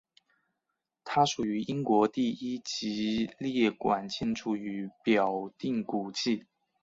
它属于英国第一级列管建筑与表定古迹。